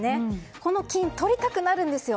この金、とりたくなるんですよ。